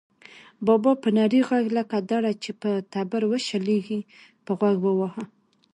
بابا په نري غږ لکه دړه چې په تبر وشلېږي، په غوږ وواهه.